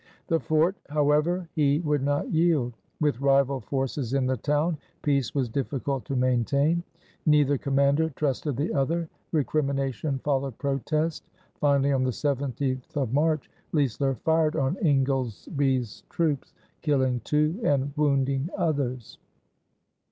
The fort, however, he would not yield. With rival forces in the town, peace was difficult to maintain. Neither commander trusted the other. Recrimination followed protest. Finally, on the 17th of March, Leisler fired on Ingoldesby's troops, killing two and wounding others.